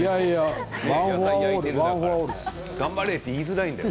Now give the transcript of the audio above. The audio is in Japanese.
頑張れと言いづらいんだよ。